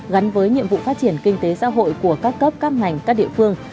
gắn với nhiệm vụ phát triển kinh tế xã hội của các cấp các ngành các địa phương